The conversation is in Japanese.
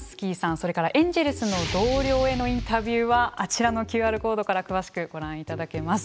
それからエンジェルスの同僚へのインタビューはあちらのＱＲコードから詳しくご覧いただけます。